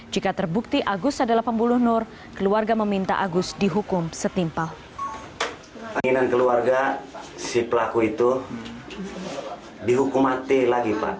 jika terbukti agus adalah pembunuh nur keluarga meminta agus dihukum setimpal